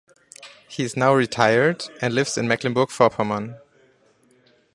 He is now retired and lives in Mecklenburg-Vorpommern.